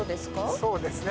そうですね。